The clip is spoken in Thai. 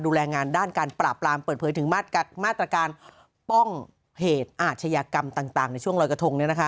ดูแลงานด้านการปราบปรามเปิดเผยถึงมาตรการป้องเหตุอาชญากรรมต่างในช่วงรอยกระทง